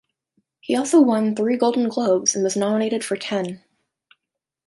He also won three Golden Globes and was nominated for ten.